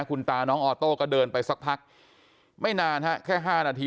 คุณตาน้องออโต้ก็เดินไปสักพักไม่นานฮะแค่๕นาที